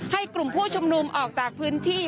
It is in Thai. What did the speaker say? กลุ่มผู้ชุมนุมออกจากพื้นที่